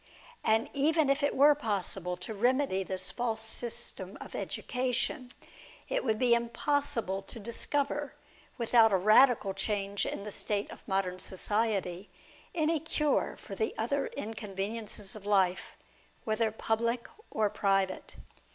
And even if it were possible to remedy this false system of education, it 2IO DIALOGUE BETWEEN would be impossible to discover, without a radical change in the state of modern society, any cure for the other inconveniences of life, whether public or private.